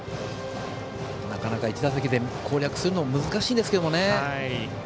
なかなか１打席で攻略するのは難しいですけどね。